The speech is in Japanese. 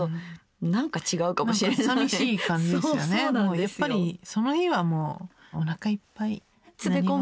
やっぱりその日はもうおなかいっぱい何も。